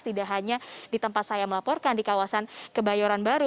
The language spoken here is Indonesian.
tidak hanya di tempat saya melaporkan di kawasan kebayoran baru